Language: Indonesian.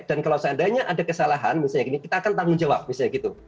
dan kalau seandainya ada kesalahan misalnya gini kita akan tanggung jawab misalnya gitu